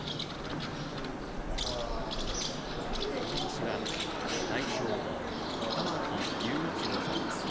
お話しは、代表玉木雄一郎さんです。